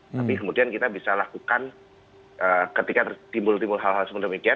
tapi kemudian kita bisa lakukan ketika timbul timbul hal hal seperti